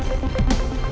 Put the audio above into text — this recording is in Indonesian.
dia tuh tiba tiba